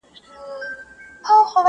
یا بس گټه به راوړې په شان د وروره.